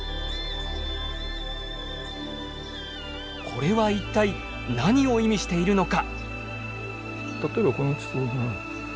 これは一体何を意味しているのか。